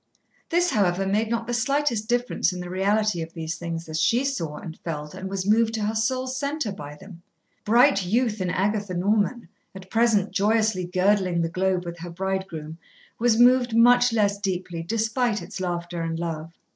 This, however, made not the slightest difference in the reality of these things as she saw and felt and was moved to her soul's centre by them. Bright youth in Agatha Norman, at present joyously girdling the globe with her bridegroom, was moved much less deeply, despite its laughter and love.